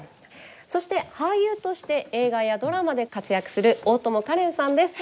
そして俳優として映画やドラマで活躍する大友花恋さんです。